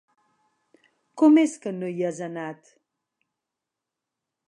Com és que no hi has anat?